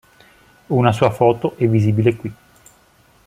Una sua foto è visibile qui.